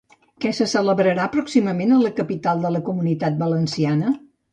Què se celebrarà pròximament a la capital de la Comunitat Valenciana?